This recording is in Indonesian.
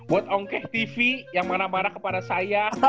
buat ongkeh tv yang marah marah kepada saya